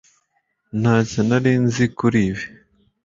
ntacyo nari nzi kuri ibi